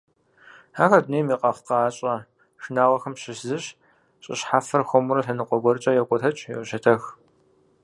Ахэр дунейм и къэхъукъащӏэ шынагъуэхэм ящыщ зыщ, щӏы щхьэфэр хуэмурэ лъэныкъуэ гуэркӏэ йокӏуэтэх, йощэтэх.